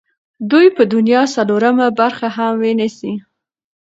دوی به د دنیا څلورمه برخه هم ونیسي.